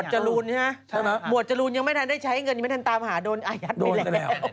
จรูนใช่ไหมหมวดจรูนยังไม่ทันได้ใช้เงินยังไม่ทันตามหาโดนอายัดไปแล้ว